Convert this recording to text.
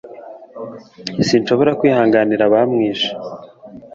simbasha kwihanganira abamwishe